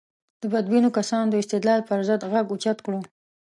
د بدبینو کسانو د استدلال پر ضد غږ اوچت کړو.